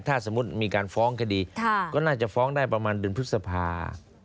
ถ้าสมมติมีการฟ้องจะฟ้องได้ประมาณดึงพฤษภา